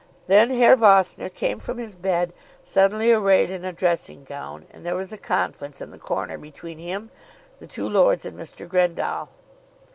Then Herr Vossner came from his bed, suddenly arrayed in a dressing gown, and there was a conference in a corner between him, the two lords, and Mr. Grendall.